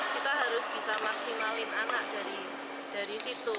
kita harus bisa maksimalin anak dari situ